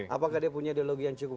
apakah dia punya ideologi yang cukup